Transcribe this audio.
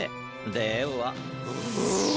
では。